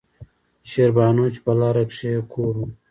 شېربانو چې پۀ لاره کښې يې کور وۀ